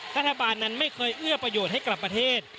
รัฐบาลนั้นไม่เคยเอื้อประโยชน์ให้กับประเทศ